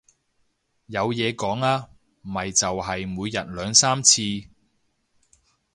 有講嘢啊，咪就係每日兩三次